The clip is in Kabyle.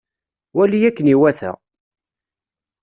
Wali akken iwata!